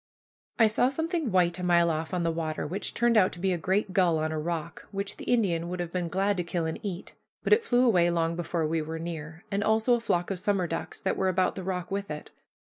I saw something white a mile off on the water, which turned out to be a great gull on a rock, which the Indian would have been glad to kill and eat. But it flew away long before we were near; and also a flock of summer ducks that were about the rock with it.